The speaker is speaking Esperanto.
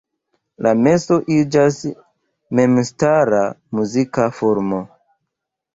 La meso iĝas memstara muzika formo.